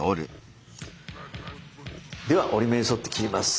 では折り目に沿って切ります。